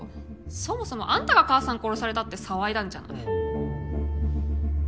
そもそもあんたが母さん殺されたって騒いだんじゃない。